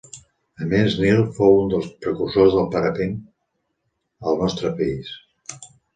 A més, Nil fou un dels precursors del parapent al nostre país.